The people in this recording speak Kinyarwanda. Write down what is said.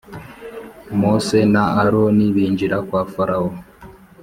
Mose na Aroni binjira kwa Farawo